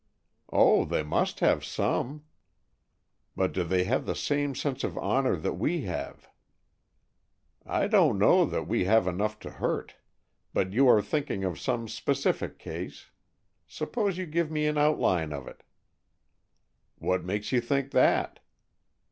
"Oh, they must have some!" "But do they have the same sense of honor that we have?" "I don't know that we have enough to hurt. But you are thinking of some specific case. Suppose you give me an outline of it." "What makes you think that?"